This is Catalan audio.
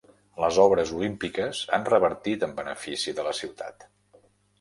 Les obres olímpiques han revertit en benefici de la ciutat.